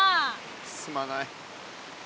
すまない。